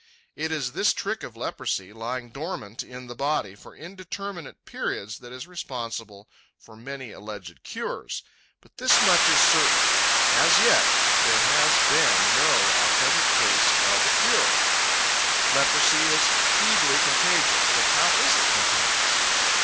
It is this trick of leprosy lying dormant in the body for indeterminate periods that is responsible for many alleged cures. But this much is certain: as yet there has been no authentic case of a cure. Leprosy is feebly contagious, but how is it contagious?